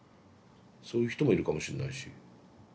そういう人もいるかもしんないし。